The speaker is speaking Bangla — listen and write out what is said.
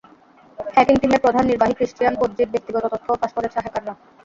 হ্যাকিং টিমের প্রধান নির্বাহী ক্রিশ্চিয়ান পোজ্জির ব্যক্তিগত তথ্যও ফাঁস করেছে হ্যাকাররা।